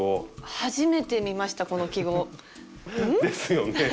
初めて見ましたこの記号。ですよね。